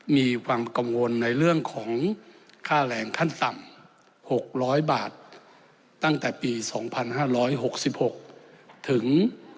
มีความกังวลในเรื่องของค่าแรงขั้นต่ำ๖๐๐บาทตั้งแต่ปี๒๕๖๖ถึง